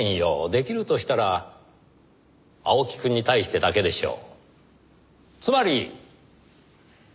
出来るとしたら青木くんに対してだけでしょう。つまり。